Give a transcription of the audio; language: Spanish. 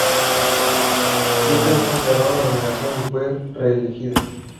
Wilkerson ganó la nominación y fue reelegida.